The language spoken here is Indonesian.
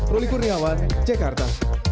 ruli kurniawan jakarta